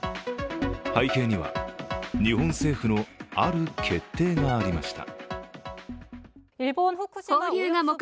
背景には日本政府のある決定がありました。